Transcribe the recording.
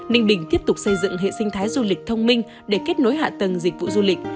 ninh bình tiếp tục xây dựng hệ sinh thái du lịch thông minh để kết nối hạ tầng dịch vụ du lịch